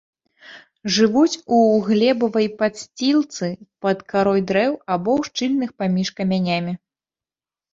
Жывуць у глебавай падсцілцы, пад карой дрэў або ў шчылінах паміж камянямі.